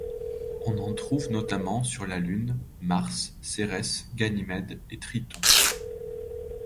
On en trouve notamment sur la Lune, Mars, Cérès, Ganymède et Triton.